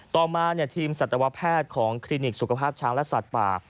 ต่อมาทีมสัตวแพทย์ของคลินิกสุขภาพช้างและสัตว์ป่า